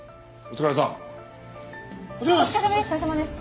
お疲れさまです！